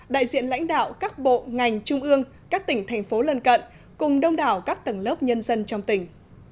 đại diện lãnh đạo các bộ ngành trung ương các tỉnh thành phố lân cận cùng đông đảo các tầng lớp nhân dân trong tỉnh